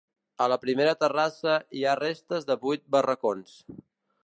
A la primera terrassa hi ha restes de vuit barracons.